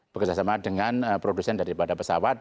bekerjasama dengan produsen daripada pesawat